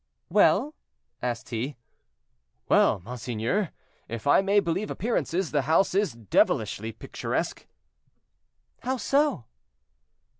"Well?" asked he. "Well, monseigneur, if I may believe appearances, the house is devilishly picturesque." "How so?"